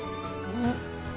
うん。